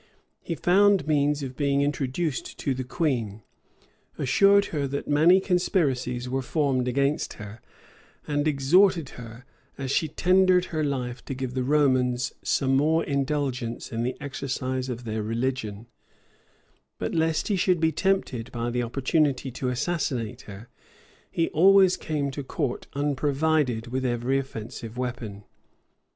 He found means of being introduced to the queen; assured her that many conspiracies were formed against her; and exhorted her, as she tendered her life, to give the Romanists some more indulgence in the exercise of their religion: but, lest he should be tempted by the opportunity to assassinate her, he always came to court unprovided with every offensive weapon.